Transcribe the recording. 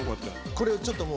これをちょっと。